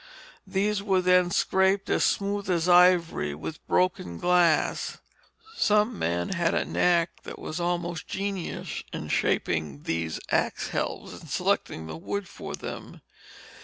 These were then scraped as smooth as ivory with broken glass. Some men had a knack that was almost genius in shaping these axe helves and selecting the wood for them.